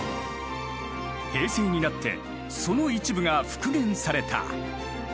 平成になってその一部が復元された。